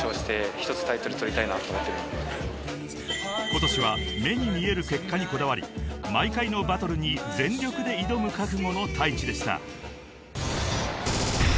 ［今年は目に見える結果にこだわり毎回のバトルに全力で挑む覚悟のＴａｉｃｈｉでした］